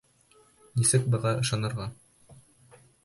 Нисек быға ышанырға?